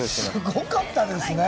すごかったですね。